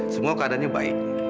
semua keadaannya baik